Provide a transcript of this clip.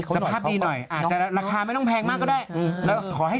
สภาพดีหน่อยอาจจะราคาไม่ต้องแพงมากก็ได้